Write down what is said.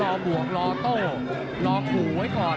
บวกรอโต้รอขู่ไว้ก่อน